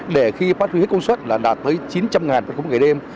để khi phát huy hết công suất là đạt tới chín trăm linh m ba ngày đêm